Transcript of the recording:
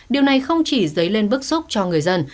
điều này không chỉ dấy lên bức xúc cho người dân